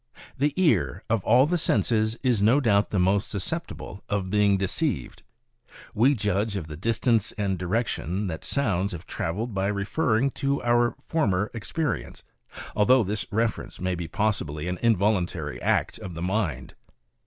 The ear, of all the senses, is no doubt the most susceptible of being deceived. We judge of the distance and direction that sounds have travelled by referring to our former experience, although this reference may possibly be an involuntary act of the mind.